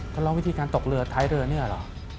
เขาร้องวิธีการตกเรือท้ายเรือเนี่ยเหรอ